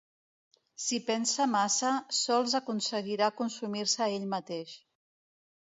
Si pensa massa, sols aconseguirà consumir-se ell mateix.